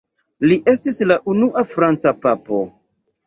Li estis la unua franca papo.